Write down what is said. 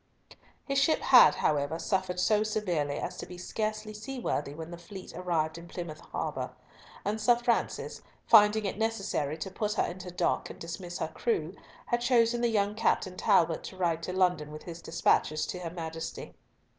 His ship had, however, suffered so severely as to be scarcely seaworthy when the fleet arrived in Plymouth harbour; and Sir Francis, finding it necessary to put her into dock and dismiss her crew, had chosen the young Captain Talbot to ride to London with his despatches to her Majesty.